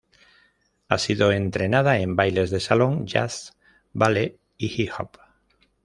Ha sido entrenada en bailes de salón, jazz, ballet y hip-hop.